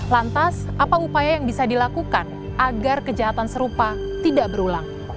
lantas apa upaya yang bisa dilakukan agar kejahatan serupa tidak berulang